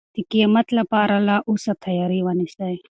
د قیامت لپاره له اوسه تیاری ونیسئ.